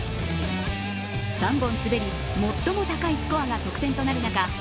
３本滑り、最も高いスコアが得点となる中